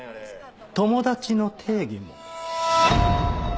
友達の定義も。